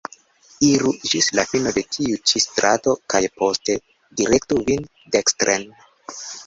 Iru ĝis la fino de tiu ĉi strato kaj poste direktu vin dekstren.